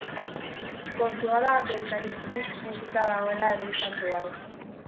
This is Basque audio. Kontua da, bekaiztiz josita dagoela herri santu hau.